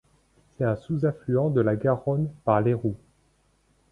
C'est un sous-affluent de la Garonne par l'Ayroux.